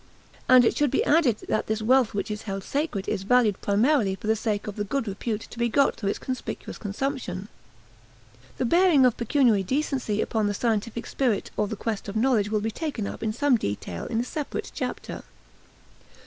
And it should be added that this wealth which is held sacred is valued primarily for the sake of the good repute to be got through its conspicuous consumption. The bearing of pecuniary decency upon the scientific spirit or the quest of knowledge will be taken up in some detail in a separate chapter.